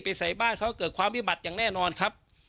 ใส่บ้านเขาเกิดความวิบัติอย่างแน่นอนครับ